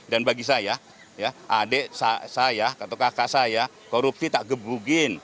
dan bagi saya ya adik saya atau kakak saya korupsi tak gebugin